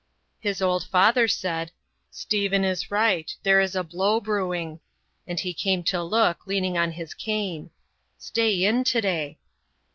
His old father said, "Stephen is right. There is a blow brewing." And he came to look, leaning on his cane. "Stay in to day."